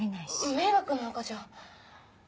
迷惑なんかじゃ。